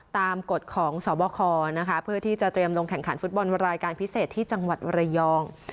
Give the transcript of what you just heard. กฎของสวบคนะคะเพื่อที่จะเตรียมลงแข่งขันฟุตบอลรายการพิเศษที่จังหวัดระยอง